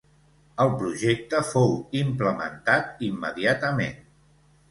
El projecte fou implementat immediatament.